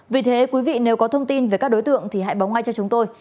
vì thế quý vị nếu có thông tin về các đối tượng thì hãy bóng ai cho chúng tôi